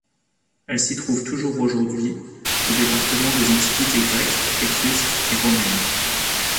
Elle s'y trouve toujours aujourd'hui au département des Antiquités grecques, étrusques et romaines.